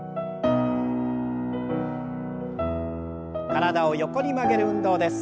体を横に曲げる運動です。